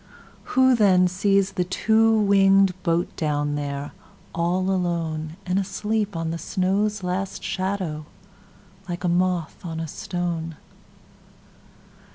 Who then sees the two wingedBoat down there, all aloneAnd asleep on the snow's last shadow, Like a moth on a stone?